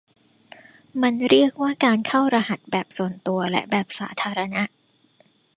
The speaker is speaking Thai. มันเรียกว่าการเข้ารหัสแบบส่วนตัวและแบบสาธารณะ